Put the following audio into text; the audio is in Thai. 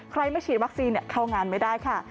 ใครมาฉีดวัคซีนเข้างานไม่ได้ค่ะ